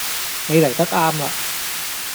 你黎得岩啦